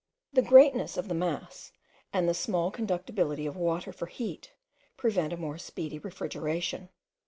The greatness of the mass, and the small conductibility of water for heat, prevent a more speedy refrigeration.